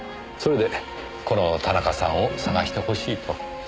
それでこの田中さんを捜してほしいと。